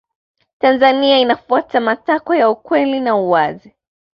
tanzania inafuata matakwa ya ukweli na uwazi